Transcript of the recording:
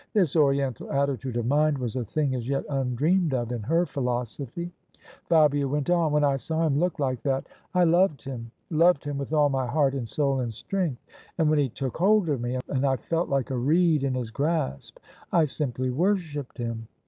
This oriental attitude of mind was a thing as yet undreamed of in her philosophy. Fabia went on: " When I saw him look like that, I loved THE SUBJECTION him — Gloved him with all my heart and soul and strength. And when he took hold of me, and I felt like a reed in his grasp, I simply worshipped him.